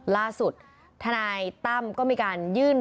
ล่าสุดทนาต้ำก็มีการยื่นเรื่อง